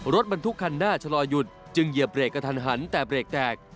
รถบรรทุกคันหน้าชะลอหยุดจึงเหยียบเรกกระทันหันแต่เบรกแตก